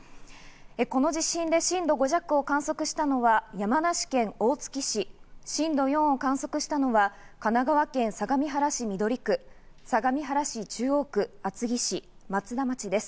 この地震で震度５弱を観測したのは山梨県大月市、震度４を観測したのは、神奈川県相模原市緑区、相模原市中央区、厚木市、松田町です。